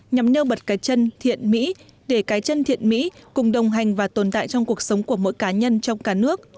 nhằm nêu bật cái chân thiện mỹ để cái chân thiện mỹ cùng đồng hành và tồn tại trong cuộc sống của mỗi cá nhân trong cả nước